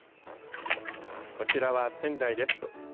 こちらは仙台です。